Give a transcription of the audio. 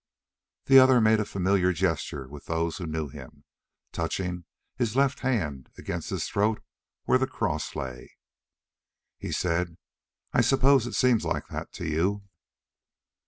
The other made a familiar gesture with those who knew him, a touching of his left hand against his throat where the cross lay. He said: "I suppose it seems like that to you."